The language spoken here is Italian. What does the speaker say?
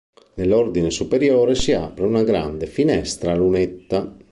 Nell'ordine superiore, si apre una grande finestra a lunetta.